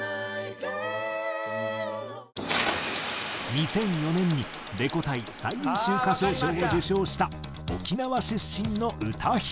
２００４年にレコ大最優秀歌唱賞を受賞した沖縄出身の歌姫。